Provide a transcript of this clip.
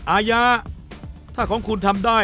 อายะถ้าของคุณทำได้